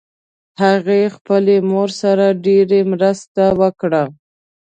هغې خپلې مور سره ډېر مرسته وکړه